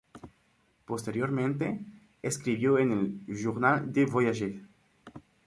Posteriormente, escribió en el Journal des Voyages.